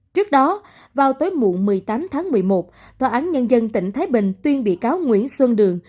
trước đó vào tối muộn một mươi tám tháng một mươi một tòa án nhân dân tỉnh thái bình tuyên bị cáo nguyễn xuân đường